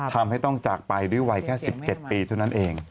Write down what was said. ทำให้ต้องจากไปด้วยวัยแค่๑๗ปีเท่านั้นเอง